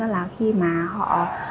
đó là khi mà họ